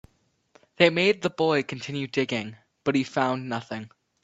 They made the boy continue digging, but he found nothing.